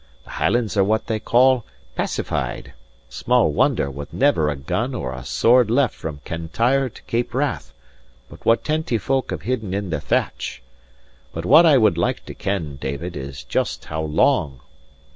The Hielands are what they call pacified. Small wonder, with never a gun or a sword left from Cantyre to Cape Wrath, but what tenty* folk have hidden in their thatch! But what I would like to ken, David, is just how long?